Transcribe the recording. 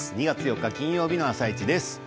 ２月４日金曜日の「あさイチ」です。